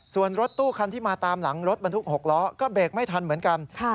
ส่วนรถตู้คันที่มาตามหลังรถบรรทุก๖ล้อก็เบรกไม่ทันเหมือนกัน